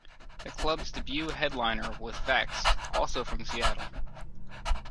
The club's debut headliner was Vexed, also from Seattle.